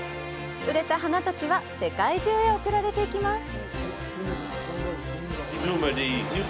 売れた花たちは世界中へ送られていきます。